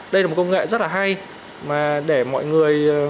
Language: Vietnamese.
đây là một công nghệ rất là hay để mọi người